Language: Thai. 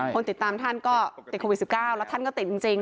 คนติดตามท่านก็ติดโควิด๑๙แล้วท่านก็ติดจริง